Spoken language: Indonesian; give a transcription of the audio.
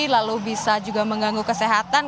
lalu bisa juga mengganggu kesehatan